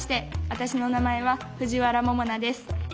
私の名前は藤原ももなです。